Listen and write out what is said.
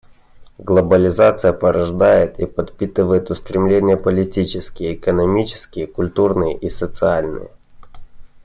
Глобализация порождает и подпитывает устремления — политические, экономические, культурные и социальные.